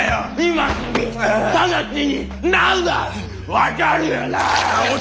分かるよなァッ！